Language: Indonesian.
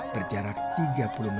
berjarak tiga puluh menit dari rumahnya